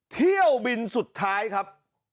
เที่ยวบินสุดท้ายครับ